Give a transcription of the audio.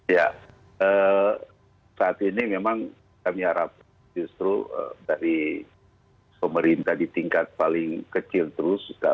ya saat ini memang kami harapkan justru dari pemerintah di tingkat paling kecil terus